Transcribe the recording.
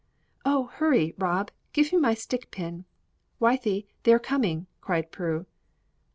"Oh, hurry, Rob; give me my stick pin, Wythie they're coming!" cried Prue.